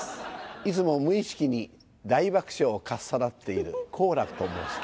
いつも無意識に大爆笑をかっさらっている好楽と申します。